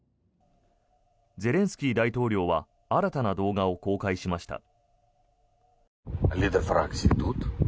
ゼレンスキー大統領は新たな動画を公開しました。